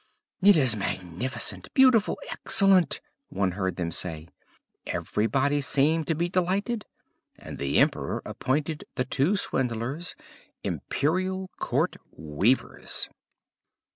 "It is magnificent, beautiful, excellent," one heard them say; everybody seemed to be delighted, and the emperor appointed the two swindlers "Imperial Court weavers."